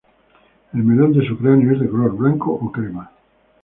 El melón de su cráneo es de color blanco o crema.